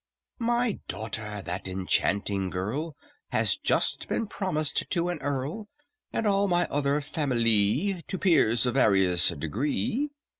"My daughter, that enchanting gurl, Has just been promised to an Earl, And all my other familee To peers of various degree.